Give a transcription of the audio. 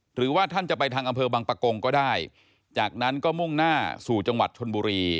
หรือว่าท่านจะไปทางอำเภอบังปะกงก็ได้จากนั้นก็มุ่งหน้าสู่จังหวัดชนบุรี